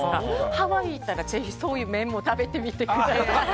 ハワイ行ったらそういう麺も食べてみてください。